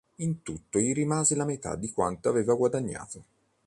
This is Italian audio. In tutto gli rimase la metà di quanto aveva guadagnato.